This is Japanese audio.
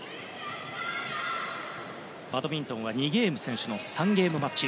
バドミントンは２ゲーム先取の３ゲームマッチ。